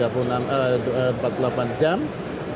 itu sudah dapat